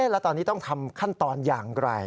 แล้วตอนนี้ต้องทำขั้นตอนอย่างไร